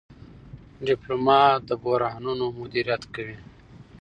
ډيپلومات د بحرانونو مدیریت کوي.